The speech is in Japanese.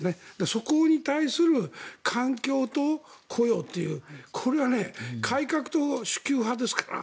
そこに対する環境と雇用というこれは改革と守旧派ですから。